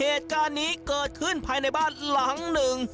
เหตุการณ์นี้เกิดขึ้นภายในบ้านหลังหนึ่ง